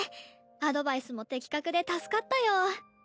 アドバイスも的確で助かったよ。